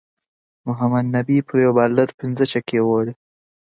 د عراده جاتو وزن د سرک په عرض او سوپرایلیویشن اغیزه لري